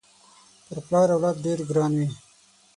پر پلار اولاد ډېر ګران وي